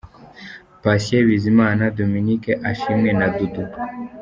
Patient Bizimana, Dominic Ashimwe na Dudu.